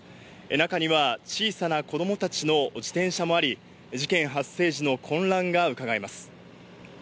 中には小さな子供たちの自転車もあり、事件発生時の混乱がうかがえます。